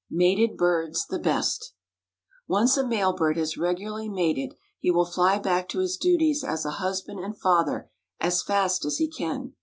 MATED BIRDS THE BEST. Once a male bird has regularly mated he will fly back to his duties as a husband and father as fast as he can.